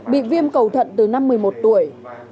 bị viêm cầu thận từ năm một mươi một tuổi